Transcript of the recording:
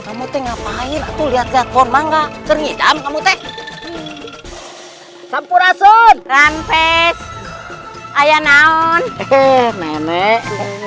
ngamuk ngapain tuh lihat jatuh manga terhidam kamu teh sampurasun rampes ayah naon eh nenek